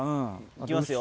行きますよ